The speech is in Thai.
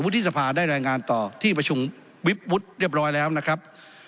ที่สภาได้รายงานต่อที่ประชุมวิบวุฒิเรียบร้อยแล้วนะครับ